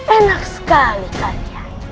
enak sekali kalian